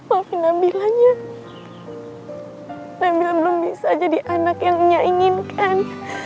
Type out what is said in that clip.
maafin nabilanya nabila belum bisa jadi anak yang nyak inginkan